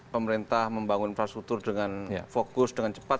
pemerintah membangun infrastruktur dengan fokus dengan cepat